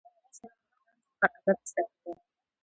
زه له مشرانو څخه ادب زده کوم.